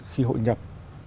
khi hội nhập